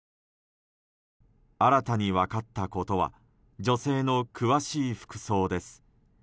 新たに分かったことは女性の詳しい服装です。